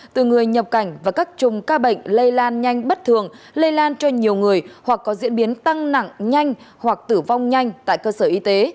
từ người nhập cảnh và các chùm ca bệnh lây lan nhanh bất thường lây lan cho nhiều người hoặc có diễn biến tăng nặng nhanh hoặc tử vong nhanh tại cơ sở y tế